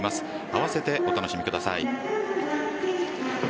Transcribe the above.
併せてお楽しみください。